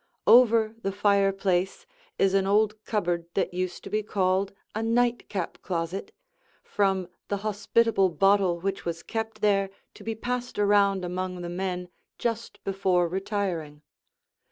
Over the fireplace is an old cupboard that used to be called a "nightcap closet" from the hospitable bottle which was kept there to be passed around among the men just before retiring.